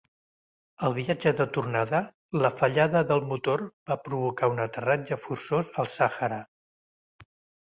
Al viatge de tornada, la fallada del motor va provocar un aterratge forçós al Sàhara.